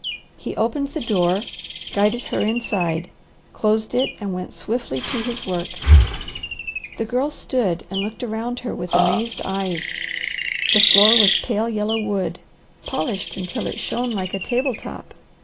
He opened the door, guided her inside, closed it, and went swiftly to his work. The Girl stood and looked around her with amazed eyes. The floor was pale yellow wood, polished until it shone like a table top.